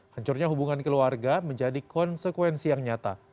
hancurnya hubungan keluarga menjadi konsekuensi yang nyata